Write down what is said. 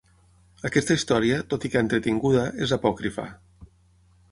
Aquesta història, tot i que entretinguda, és apòcrifa.